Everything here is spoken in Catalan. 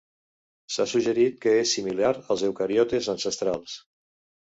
S'ha suggerit que és similar als eucariotes ancestrals.